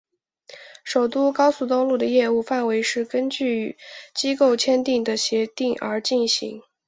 首都高速道路的业务范围是根据与机构签订的协定而进行。